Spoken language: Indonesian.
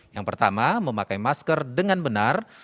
yang pertama memakai masker dengan benar